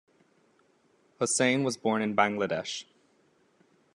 Hossain was born in Bangladesh.